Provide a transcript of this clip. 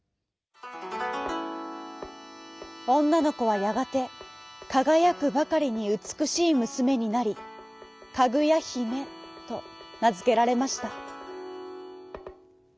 おんなのこはやがてかがやくばかりにうつくしいむすめになりかぐやひめとなづけられました。